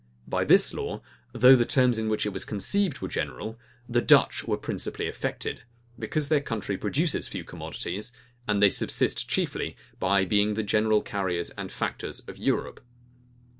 By this law, though the terms in which it was conceived were general, the Dutch were principally affected; because their country produces few commodities, and they subsist chiefly by being the general carriers and factors of Europe.